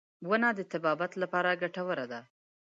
• ونه د طبابت لپاره ګټوره ده.